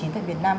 tại việt nam